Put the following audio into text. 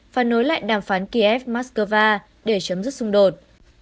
và nối lại đàm phán kiev moscow để chấm dứt xung đột